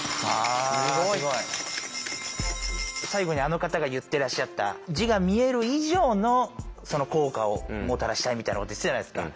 最後にあの方が言ってらっしゃった「字が見える以上の効果をもたらしたい」みたいなこと言ってたじゃないですか。